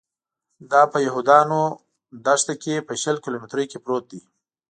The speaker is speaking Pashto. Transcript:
دا په یهودانو دښته کې په شل کیلومترۍ کې پروت دی.